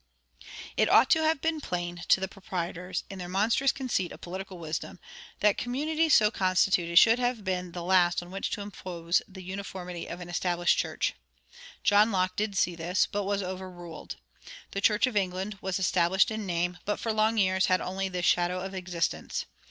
It ought to have been plain to the proprietors, in their monstrous conceit of political wisdom, that communities so constituted should have been the last on which to impose the uniformity of an established church. John Locke did see this, but was overruled. The Church of England was established in name, but for long years had only this shadow of existence.